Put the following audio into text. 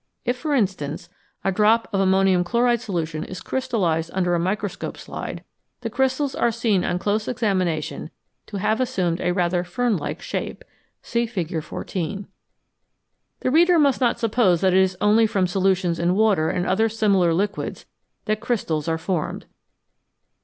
If, for instance, a drop of am monium chloride solution is crystallised under a microscope slide, the crystals are seen on close examination to have assumed a regular fern like shape (see Fig. 14). The reader must not suppose that it is only from solutions in water and other similar liquids that crystals are formed.